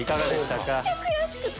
めっちゃ悔しくて。